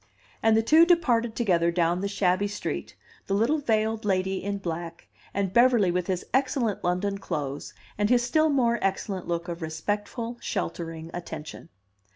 And the two departed together down the shabby street, the little veiled lady in black, and Beverly with his excellent London clothes and his still more excellent look of respectful, sheltering attention.